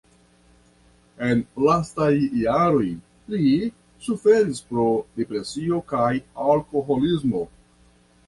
En lastaj jaroj li suferis pro depresio kaj alkoholismo.